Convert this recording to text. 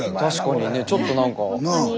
確かにねちょっとなんか。